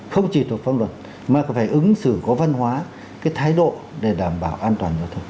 không chỉ thuộc pháp luật mà còn phải ứng xử có văn hóa cái thái độ để đảm bảo an toàn giao thông